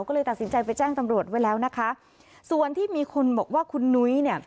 ก็เลยตัดสินใจไปแจ้งตำรวจไว้แล้วนะคะส่วนที่มีคนบอกว่าคุณนุ้ยเนี่ย